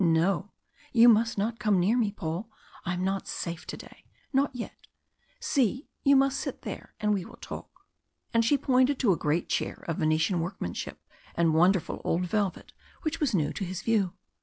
"No! you must not come near me, Paul. I am not safe to day. Not yet. See, you must sit there and we will talk." And she pointed to a great chair of Venetian workmanship and wonderful old velvet which was new to his view.